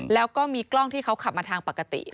แล้วก็มีกล้องที่เขาขับมาทางปกติ